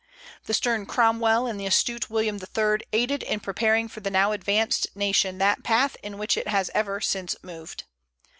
The stern Cromwell and the astute William the Third aided in preparing for the now advanced nation that path in which it has ever since moved.